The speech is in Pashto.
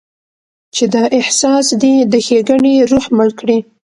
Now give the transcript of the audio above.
چې دا احساس دې د ښېګڼې روح مړ کړي.